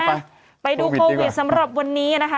อ่ะไปดูโควิดสำหรับวันนี้นะคะ